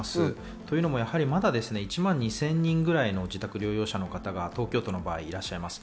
というのも、まだ１万２０００人ぐらい自宅療養者の方が東京都の場合いらっしゃいます。